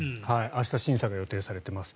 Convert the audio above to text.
明日審査が予定されています。